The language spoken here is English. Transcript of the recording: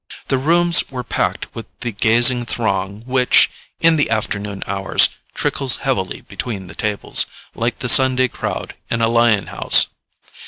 The rooms were packed with the gazing throng which, in the afternoon hours, trickles heavily between the tables, like the Sunday crowd in a lion house.